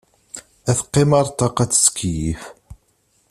Ad teqqim ɣer ṭṭaq ad tettkeyyif.